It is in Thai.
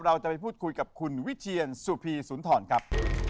เราจะไปพูดคุยกับคุณวิเทียนสุภีศุนย์ถอนกลับ